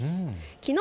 きのう